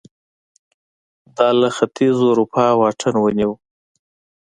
دا له ختیځې اروپا واټن ونیو